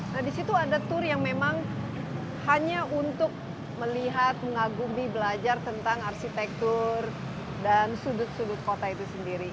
nah disitu ada tour yang memang hanya untuk melihat mengagumi belajar tentang arsitektur dan sudut sudut kota itu sendiri